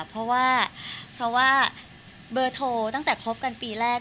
เพราะว่าเบอร์โทรตั้งแต่ครบกันปีแรก